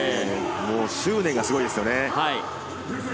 執念がすごいですよね。